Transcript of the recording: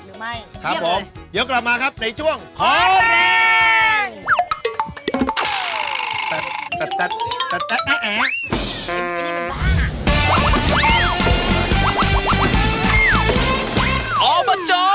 หรือไม่ครับผมเดี๋ยวกลับมาครับในช่วงขอแรง